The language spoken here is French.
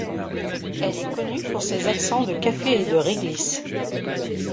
Elle est connue pour ses accents de café et de réglisse.